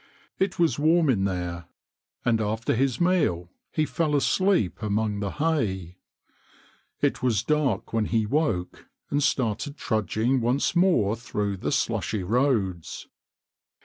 It was warm in there, and after his meal he fell 86 ON THE BRIGHTON ROAD asleep among the hay. It was dark when he woke, and started trudging once more through the slushy roads.